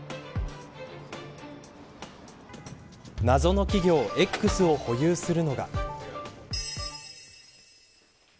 謎の企業Ｘを保有するのが。